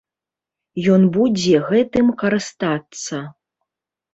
Ён будзе гэтым карыстацца.